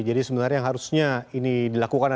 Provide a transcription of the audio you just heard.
jadi sebenarnya yang harusnya ini dilakukan